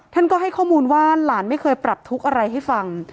ท่านก็ให้ข้อมูลว่าหลานไม่เคยปรับทุกข์อะไรให้ฟัง